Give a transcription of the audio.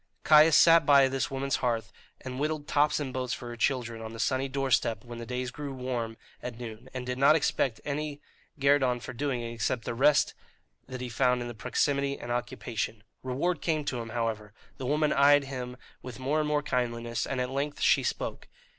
Caius sat by this woman's hearth, and whittled tops and boats for her children on the sunny doorstep when the days grew warm at noon, and did not expect any guerdon for doing it except the rest that he found in the proximity and occupation. Reward came to him, however. The woman eyed him with more and more kindliness, and at length she spoke.